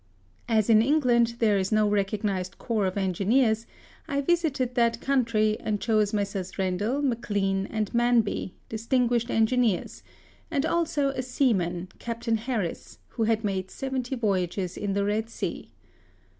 As in England there is no re cognised corps of engineers, I visited that country, and chose Messrs Rendel, Maclean, and Manby, distinguished engineers; and also a seaman. Captain IJarris, who had made seventy voyages in the Red Sea.